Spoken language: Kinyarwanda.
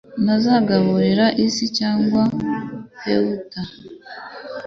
Ntazagaburira isi cyangwa pewter